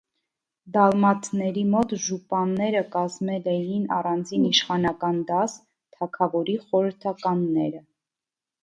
Դալմաթների մոտ ժուպանները կազմել էին առանձին իշխանական դաս՝ թագավորի խորհրդականները։